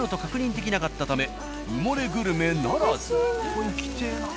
ここ行きてぇな。